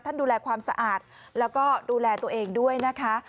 ดูแลความสะอาดแล้วก็ดูแลตัวเองด้วยนะคะ